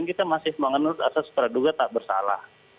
kita masih mengenur asas peraduga tak bersalah